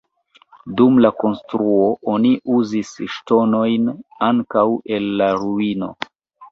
Dum la konstruo oni uzis ŝtonojn ankaŭ el la ruino.